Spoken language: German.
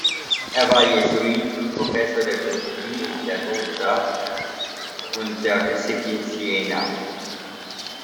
Er war Jesuit, Professor der Philosophie in Perugia und der Physik in Siena.